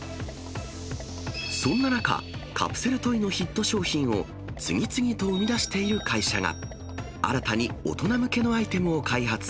そんな中、カプセルトイのヒット商品を次々と生み出している会社が、新たに大人向けのアイテムを開発。